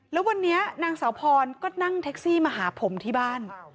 แล้ววันนี้นางสาวพรก็นั่งแท็กซี่มาหาผมที่บ้าน